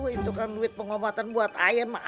itu kan duit pengobatan buat ayam